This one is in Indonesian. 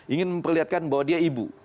ingin memperlihatkan bahwa dia ibu